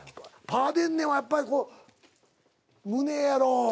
パーデンネンはやっぱりこう胸やろ。